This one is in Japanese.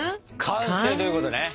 完成ということね！